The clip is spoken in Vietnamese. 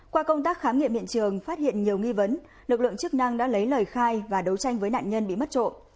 qua công tác khám nghiệm hiện trường phát hiện nhiều nghi vấn lực lượng chức năng đã lấy lời khai và đấu tranh với nạn nhân bị mất trộm